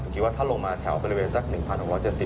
ผมคิดว่าถ้าลงมาแถวบริเวณสัก๑๖๗๐